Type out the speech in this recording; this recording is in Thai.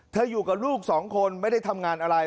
อยู่กับลูกสองคนไม่ได้ทำงานอะไร